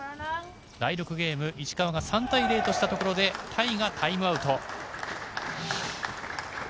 第６ゲーム、石川が３対０としたところでタイがタイムアウト。